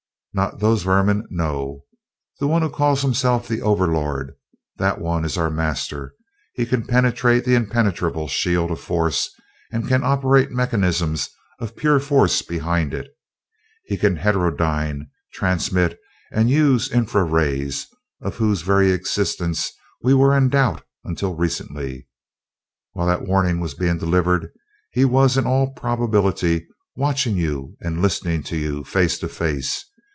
"Not those vermin, no. The one who calls himself the Overlord. That one is our master. He can penetrate the impenetrable shield of force and can operate mechanisms of pure force behind it; he can heterodyne, transmit, and use the infra rays, of whose very existence we were in doubt until recently! While that warning was being delivered he was, in all probability, watching you and listening to you, face to face.